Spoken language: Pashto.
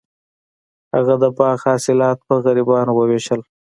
هغه د باغ حاصلات په غریبانو وویشل.